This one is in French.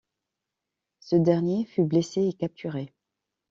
Ce dernier fut blessé et capturé.